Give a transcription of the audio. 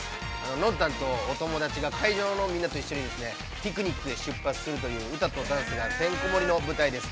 ノンタンとお友だちが、会場のみんなと一緒にピクニックへ出発するという歌とダンスがてんこもりの舞台です！